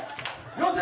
よせ！